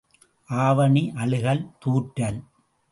ஆவணி அழுகல் தூற்றல்.